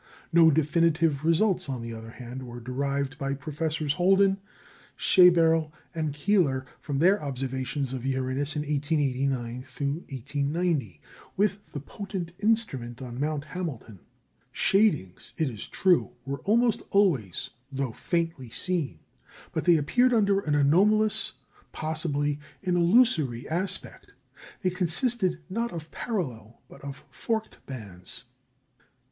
No definitive results, on the other hand, were derived by Professors Holden, Schaeberle, and Keeler from their observations of Uranus in 1889 90 with the potent instrument on Mount Hamilton. Shadings, it is true, were almost always, though faintly, seen; but they appeared under an anomalous, possibly an illusory aspect. They consisted, not of parallel, but of forked bands.